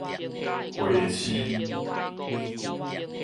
花痴